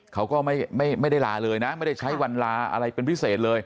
เขาก็ไม่ได้ลาเลยนะไม่ได้ใช้วันลาอะไรเป็นพิเศษเลย